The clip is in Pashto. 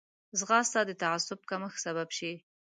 ځغاسته د تعصب کمښت سبب شي